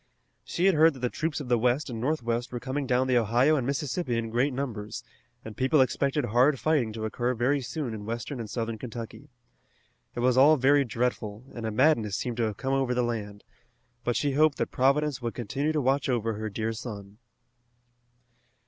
She had heard that the troops of the west and northwest were coming down the Ohio and Mississippi in great numbers, and people expected hard fighting to occur very soon in western and southern Kentucky. It was all very dreadful, and a madness seemed to have come over the land, but she hoped that Providence would continue to watch over her dear son.